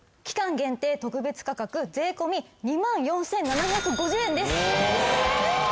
限定特別価格税込２万４７５０円です。えっ！？